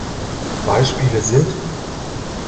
Beispiele sind